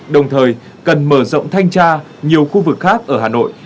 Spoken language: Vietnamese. đồng thời cần mở rộng thanh tra nhiều khu vực khác ở hà nội